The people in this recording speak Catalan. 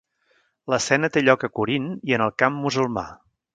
L'escena té lloc a Corint i en el camp musulmà.